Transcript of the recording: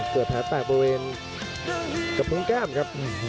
เกิดแผลแตกบริเวณกระพุงแก้มครับ